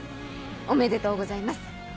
おめでとうございます。